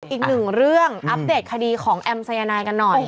อีกหนึ่งเรื่องอัปเดตคดีของแอมสายนายกันหน่อย